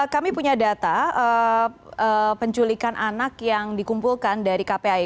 kami punya data penculikan anak yang dikumpulkan dari kpai